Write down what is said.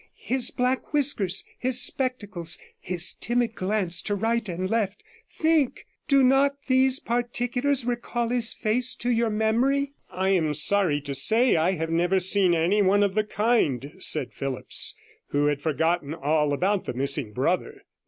His black whiskers, his spectacles, his timid glance to right and left; think, do not these particulars recall his face to your memory?' 'I am sorry to say I have never seen anyone of the kind,' said Phillipps, who had forgotten all about the missing brother.